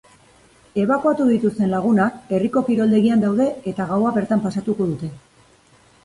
Ebakuatu dituzten lagunak herriko kiroldegian daude eta gaua bertan pasatuko dute.